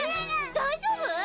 ⁉大丈夫⁉